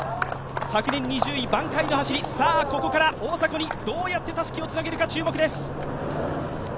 昨年２０位、挽回の走り、ここから大迫にどうやってたすきをつなげるか注目です。